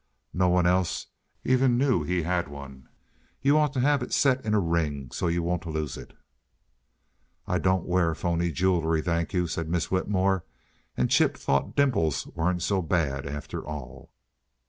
No one else even knew he had one. You ought to have it set in a ring, so you won't lose it." "I don't wear phony jewelry, thank you," said Miss Whitmore, and Chip thought dimples weren't so bad after all.